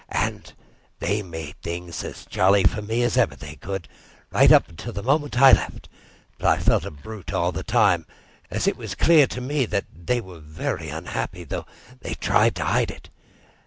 And they made things as jolly for me as ever they could, right up to the moment I left. But I felt a brute all the time, as it was clear to me they were very unhappy, though they tried to hide it.